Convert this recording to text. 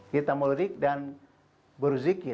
kita melirik dan berzikir